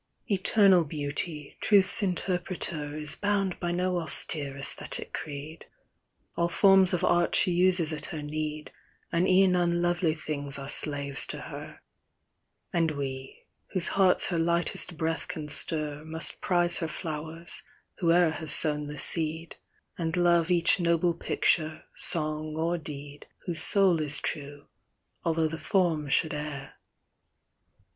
Etkrnal Beauty, Truth's interpreter, Is bound by no austere ccsthetic creed ; All forms of art she uses at her need, And e'en unlovely things are slaves to her : And we, whose hearts her lightest breath can stir, Must prize her flowers, whoe'er has sown the seed, And love each noble picture, song, or deed, Whose soul is true, although the form should err.